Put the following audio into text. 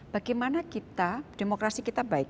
bagaimana kita demokrasi kita baik